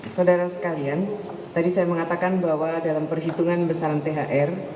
saudara sekalian tadi saya mengatakan bahwa dalam perhitungan besaran thr